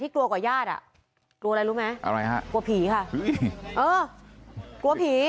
กลัวอะไรรู้ไหมกลัวผีค่ะเออกลัวผี